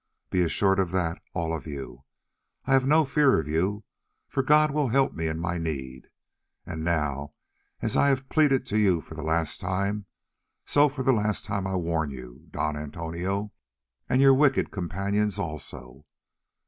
"Be assured of that, all of you. I have no fear of you, for God will help me in my need. And now, as I have pleaded to you for the last time, so for the last time I warn you, Dom Antonio, and your wicked companions also.